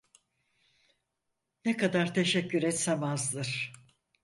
Ne kadar teşekkür etsem azdır.